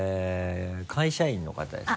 会社員の方ですか？